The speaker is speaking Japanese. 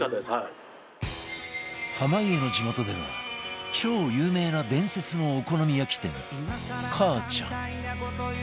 濱家の地元では超有名な伝説のお好み焼き店かあちゃん